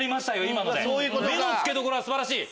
今ので目のつけどころは素晴らしい！